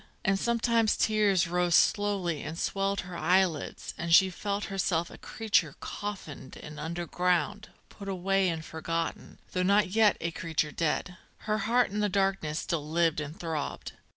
And sometimes tears rose slowly and swelled her eyelids and she felt herself a creature coffined and underground, put away and forgotten, though not yet a creature dead. Her heart in the darkness still lived and throbbed.